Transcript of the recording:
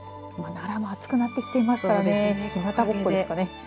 奈良も暑くなってきていますからね。